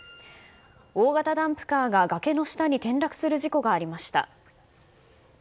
大型ダンプカーが崖の下に転落する事故がありました。